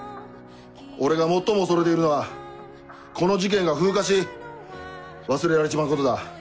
俺が最も恐れているのはこの事件が風化し忘れられちまうことだ。